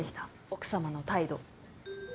奥様の態度。